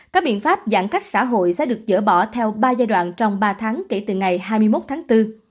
các biện pháp giãn cách xã hội sẽ được dỡ bỏ theo ba giai đoạn trong ba tháng kể từ ngày hai mươi một tháng bốn